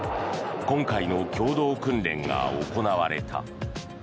今回の共同訓練が行われた。